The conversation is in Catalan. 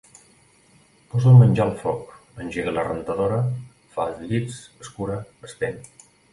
Posa el menjar al foc, engega la rentadora, fa els llits, escura, estén…